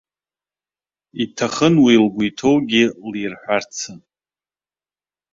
Иҭахын уи лгәы иҭоугьы лирҳәарацы.